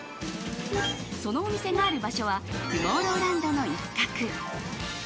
そのお店がある場所はトゥモローランドの一角。